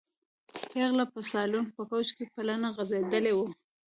پېغله د سالون په کوچ کې پلنه غځېدلې وه.